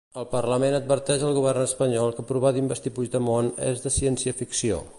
El Parlament adverteix el govern espanyol que provar d'investir Puigdemont és de "ciència-ficció"